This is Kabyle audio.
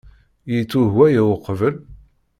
Yettweg waya uqbel?